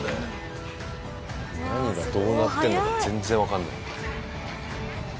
何がどうなってるのか全然わかんない。